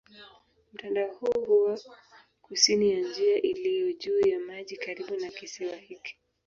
Mtandao huu huwa kusini ya njia iliyo juu ya maji karibu na kisiwa hiki.